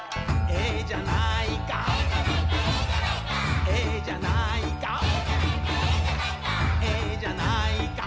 「ええじゃないかえじゃないか」